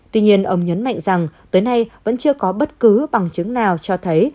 tuy nhiên ông nhấn mạnh rằng tới nay vẫn chưa có bất cứ bằng chứng nào cho thấy